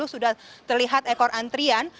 sudah terlihat ekor antrian